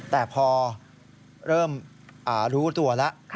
แต่พอเริ่มรู้ตัวแล้ว